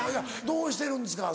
どうしてるんですか？